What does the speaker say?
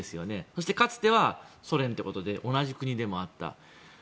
そしてかつてはソ連ということで同じ国でもあった。